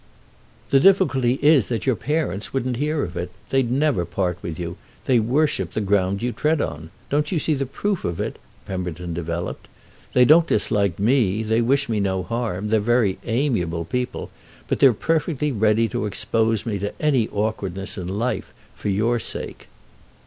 "The difficulty is that your parents wouldn't hear of it. They'd never part with you; they worship the ground you tread on. Don't you see the proof of it?" Pemberton developed. "They don't dislike me; they wish me no harm; they're very amiable people; but they're perfectly ready to expose me to any awkwardness in life for your sake."